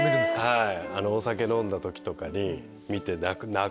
はい。